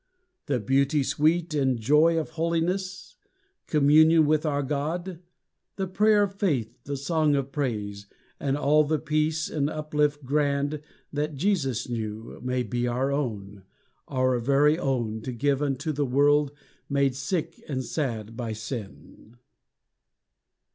The beauty sweet and joy Of holiness, communion with our God, The prayer of faith, the song of praise, and all The peace and uplift grand that Jesus knew May be our own, our very own, to give Unto a world made sick and sad by sin.